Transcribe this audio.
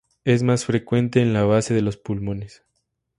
Es más frecuente en la base de los pulmones.